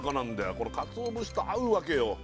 これ鰹節と合うわけよ